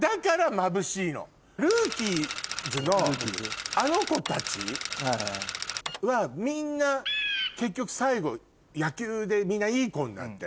『ＲＯＯＫＩＥＳ』のあの子たちはみんな結局最後野球でみんないい子になって。